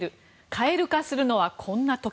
蛙化するのは、こんな時。